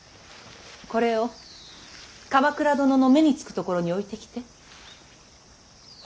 これを鎌倉殿の目につく所に置いてきて。